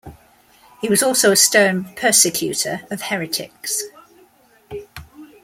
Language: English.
He was also a stern persecutor of heretics.